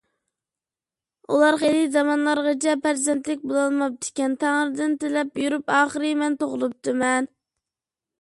ئۇلار خېلى زامانلارغىچە پەرزەنتلىك بولالماپتىكەن، تەڭرىدىن تىلەپ يۈرۈپ ئاخىر مەن تۇغۇلۇپتىمەن.